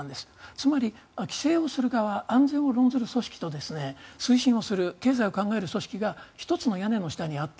つまり、規制をする側安全を論ずる組織と推進をする経済を考える組織が１つの屋根の下にあった。